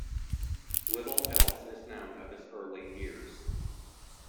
Little else is known of his early years.